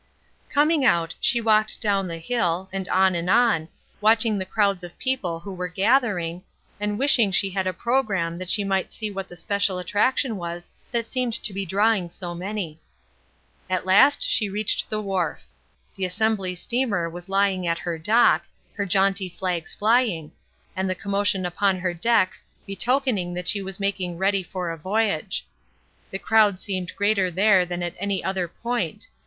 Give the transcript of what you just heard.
Coming out, she walked down the hill, and on and on, watching the crowds of people who were gathering, and wishing she had a programme that she might see what the special attraction was that seemed to be drawing so many. At last she reached the wharf. The Assembly steamer was lying at her dock, her jaunty flags flying, and the commotion upon her decks betokening that she was making ready for a voyage. The crowd seemed greater there than at any other point.